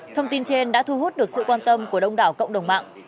thông tin trên đã thu hút được sự quan tâm của đông đảo cộng đồng mạng